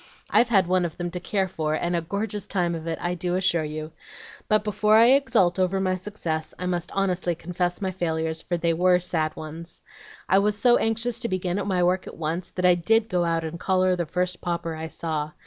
I've had one of them to care for, and a gorgeous time of it, I do assure you. But before I exult over my success, I must honestly confess my failures, for they were sad ones. I was so anxious to begin my work at once, that I did go out and collar the first pauper I saw.